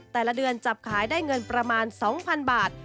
แต่ละเดือนจับขายได้เงินประมาณ๒๐๐๐บาท